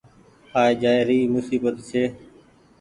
آئي جآئي موسيبت ڇي۔